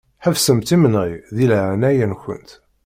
Ḥebsemt imenɣi di leɛnaya-nkent.